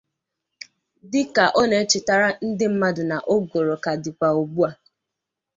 Dịka ọ na-echètere ndị mmadụ na ụgụrụ ka dịkwà ugbua